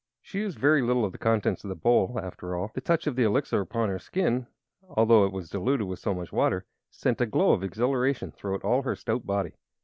She used very little of the contents of the bowl, after all. The touch of the Elixir upon her skin, although it was diluted with so much water, sent a glow of exhilaration throughout all her stout body.